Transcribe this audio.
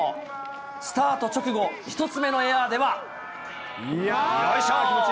スタート直後、１つ目のエアーでは、よいしょ。